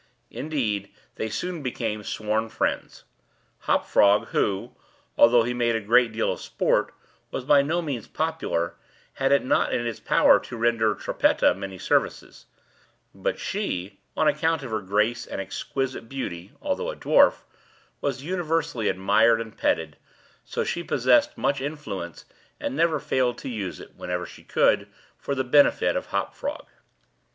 Indeed, they soon became sworn friends. Hop Frog, who, although he made a great deal of sport, was by no means popular, had it not in his power to render Trippetta many services; but she, on account of her grace and exquisite beauty (although a dwarf), was universally admired and petted; so she possessed much influence; and never failed to use it, whenever she could, for the benefit of Hop Frog.